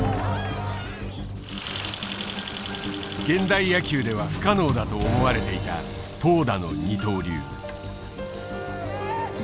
現代野球では不可能だと思われていた投打の二刀流。